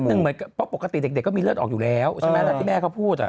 เหมือนเพราะปกติเด็กก็มีเลือดออกอยู่แล้วใช่ไหมล่ะที่แม่เขาพูด